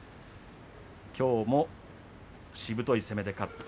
きょうもしぶとい相撲でした。